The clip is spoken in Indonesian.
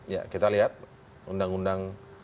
ya kita lihat undang undang